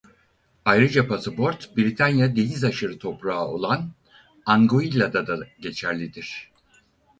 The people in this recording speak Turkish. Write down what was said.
Ayrıca pasaport Britanya Denizaşırı Toprağı olan Anguilla'da da geçerlidir.